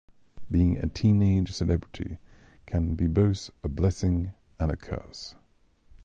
Being a teenage celebrity can be both a blessing and a curse.